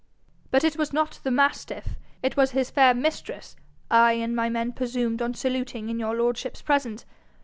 But it was not the mastiff, it was his fair mistress I and my men presumed on saluting in your lordship's presence.